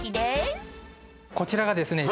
こちらがですね